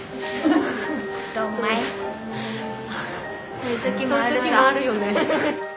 そういうときもあるよね。